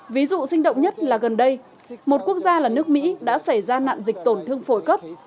ví dụ sinh động nhất là gần đây một quốc gia là nước mỹ đã xảy ra nạn dịch tổn thương phổi cấp